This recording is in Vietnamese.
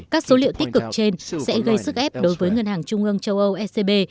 các số liệu tích cực trên sẽ gây sức ép đối với ngân hàng trung ương châu âu ecb